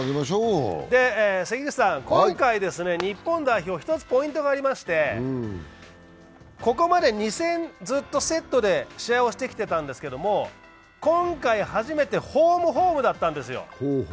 関口さん、今回、日本代表１つポイントがありまして、ここまで２戦ずっとセットで試合してきたんですけれども、今回初めてホーム、ホームだったんですよ。